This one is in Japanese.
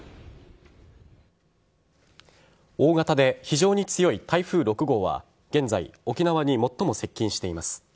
大型で非常に強い台風６号は現在、沖縄に最も接近しています。